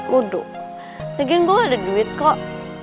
ludo nanti gue gak ada duit kok